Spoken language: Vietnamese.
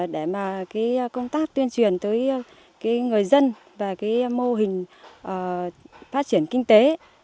để mà công tác tuyên truyền tới người dân và mô hình phát triển kinh tế